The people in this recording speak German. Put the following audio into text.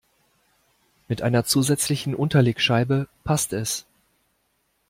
Mit einer zusätzlichen Unterlegscheibe passt es.